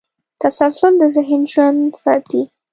تسلسل د ذهن ژوند ساتي.